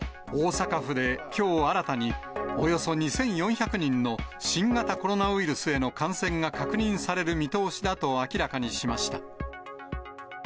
大阪府で、きょう新たにおよそ２４００人の新型コロナウイルスへの感染が確認される見通しだと明らかにしました。